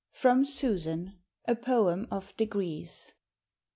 FROM " SUSAN I A POEM OF DEGREES."